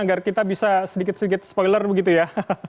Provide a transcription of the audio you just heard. agar kita bisa sedikit sedikit spoiler begitu ya